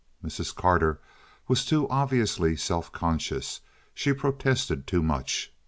Mrs. Carter was too obviously self conscious. She protested too much.